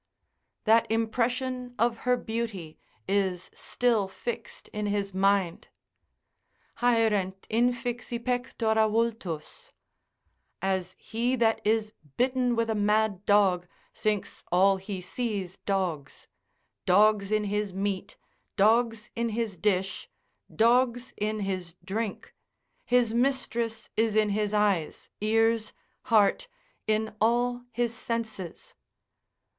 That impression of her beauty is still fixed in his mind,—haerent infixi pectora vultus; as he that is bitten with a mad dog thinks all he sees dogs—dogs in his meat, dogs in his dish, dogs in his drink: his mistress is in his eyes, ears, heart, in all his senses.